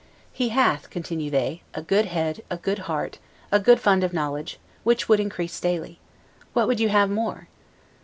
He hath, continue they, a good head, a good heart, a good fund of knowledge, which would increase daily: What would you have more?